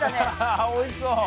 あおいしそう。